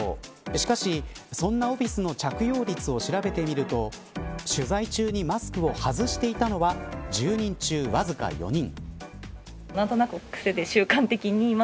しかし、そんなオフィスの着用率を調べてみると取材中にマスクを外していたのは１０人中わずか４人。